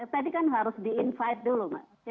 tadi kan harus diinvite dulu